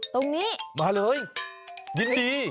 ตรงนี้มาเลยยินดี